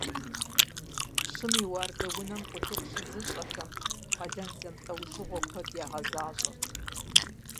Пщым и уардэунэм къулыкъу щызыщӀэхэм къалэн зэмылӀэужьыгъуэ куэд ягъэзащӀэрт.